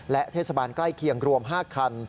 และเทศบาลใกล้เคียงรวม๕คัน